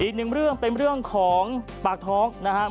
อีกหนึ่งเรื่องเป็นเรื่องของปากท้องนะครับ